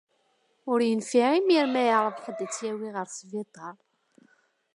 Ur yenfiε imir ma yeεreḍ ḥedd ad t-yawi ɣer sbiṭar.